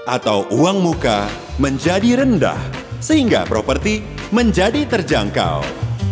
atau uang muka menjadi rendah sehingga properti menjadi terjangkau